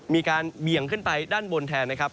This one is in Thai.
เบี่ยงขึ้นไปด้านบนแทนนะครับ